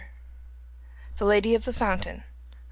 The Lady of the Fountain.